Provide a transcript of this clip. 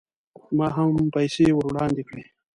ما هم پیسې ور وړاندې کړې.